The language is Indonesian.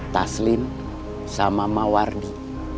taslim sama mawardi